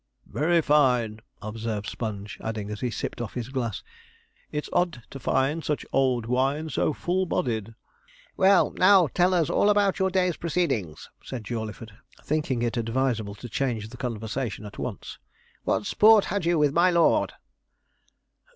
'Very fine,' observed Sponge; adding, as he sipped off his glass, 'it's odd to find such old wine so full bodied.' 'Well, now tell us all about your day's proceedings,' said Jawleyford, thinking it advisable to change the conversation at once. 'What sport had you with my lord?'